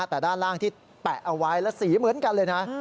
แต่ด้านล่างที่แปะเอาไว้แล้วสีเหมือนกันเลยนะ